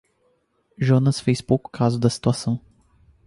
Jonas fez pouco caso da situação.